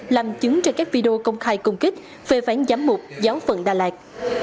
làm chứng cho các video công khai công kích phê phán giám mục giáo phận đà lạt